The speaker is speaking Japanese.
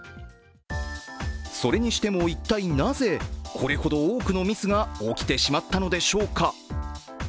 それにしても、一体なぜこれほど多くのミスが起きてしまったのでしょうか。